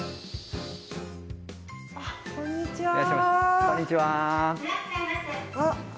こんにちは。